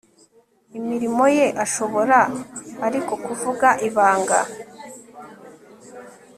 imirimo ye ashobora ariko kuvuga ibanga